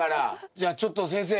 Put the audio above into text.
じゃあちょっと先生